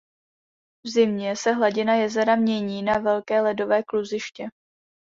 V zimě se hladina jezera mění na velké ledové kluziště.